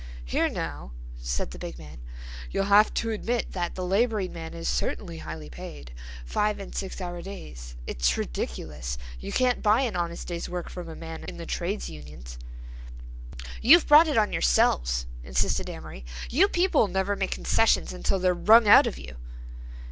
"Here now," said the big man, "you'll have to admit that the laboring man is certainly highly paid—five and six hour days—it's ridiculous. You can't buy an honest day's work from a man in the trades unions." "You've brought it on yourselves," insisted Amory. "You people never make concessions until they're wrung out of you."